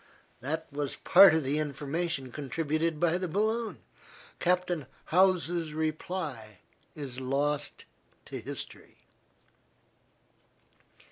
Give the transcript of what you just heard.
That was part of the information contributed by the balloon. Captain Howse's reply is lost to history.